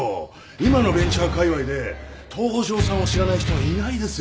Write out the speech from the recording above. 今のベンチャーかいわいで東城さんを知らない人はいないですよ。